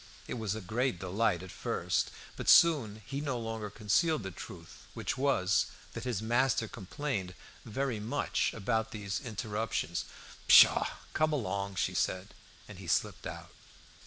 It was a great delight at first, but soon he no longer concealed the truth, which was, that his master complained very much about these interruptions. "Pshaw! come along," she said. And he slipped out.